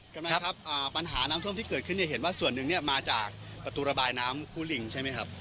ใช่ไหมครับปัญหาน้ำท่วมที่เกิดขึ้นเนี่ยเห็นว่าส่วนหนึ่งเนี่ยมาจากประตูระบายน้ำคู่ลิงใช่ไหมครับ